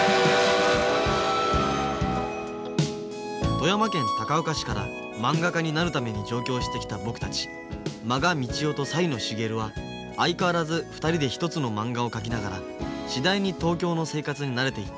富山県高岡市からまんが家になるために上京してきた僕たち満賀道雄と才野茂は相変わらず２人で１つのまんがを描きながら次第に東京の生活に慣れていった。